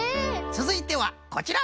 つづいてはこちら！